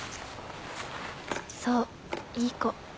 そういい子。